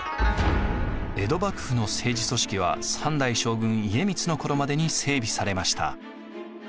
江戸幕府の政治組織は３代将軍家光の頃までに整備されました。